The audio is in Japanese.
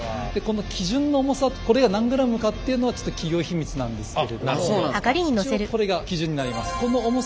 基準の重さこれが何グラムかっていうのはちょっと企業秘密なんですけれども一応これが基準になります。